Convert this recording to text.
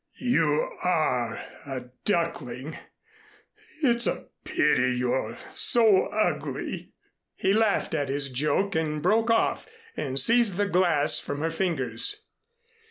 "You are a duckling it's a pity you're so ugly." He laughed at his joke and broke off and seized the glass from her fingers.